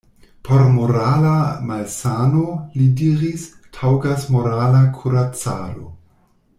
Por morala malsano, li diris, taŭgas morala kuracado.